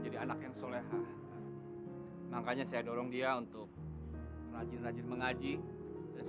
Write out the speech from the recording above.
dulu kan bapak nikah sama bu edah